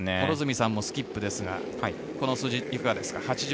両角さんもスキップですがこの数字いかがですか？